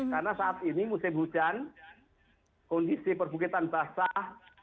karena saat ini musim hujan kondisi perbukitan basah